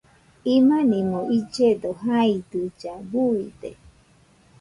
Imanimo illledo jaidɨlla, buide